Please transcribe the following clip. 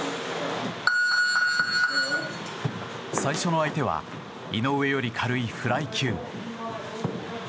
最初の相手は井上より軽いフライ級。